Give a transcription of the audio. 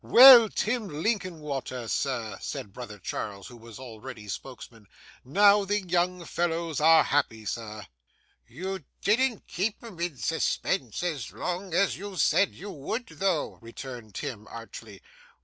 'Well, Tim Linkinwater, sir,' said brother Charles, who was always spokesman, 'now the young folks are happy, sir.' 'You didn't keep 'em in suspense as long as you said you would, though,' returned Tim, archly.